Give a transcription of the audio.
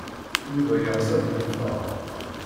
Yuba yeɣs ad yeffeɣ.